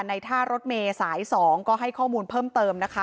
ท่ารถเมย์สาย๒ก็ให้ข้อมูลเพิ่มเติมนะคะ